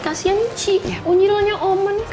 kasian sih unyilannya oma nih